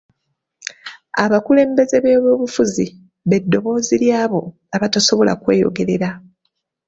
Abakulembeze b'ebyobufuzi be ddoboozi ly'abo abatasobola kwe yogerera.